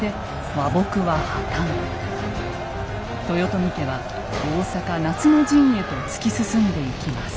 豊臣家は大坂夏の陣へと突き進んでいきます。